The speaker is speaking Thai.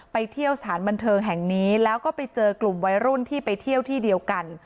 ไปเที่ยวสถานบันเทิงแห่งนี้แล้วก็ไปเจอกลุ่มวัยรุ่นที่ไปเที่ยวที่เดียวกัน